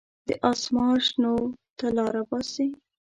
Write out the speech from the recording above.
د اسمان شنو ته لاره باسي.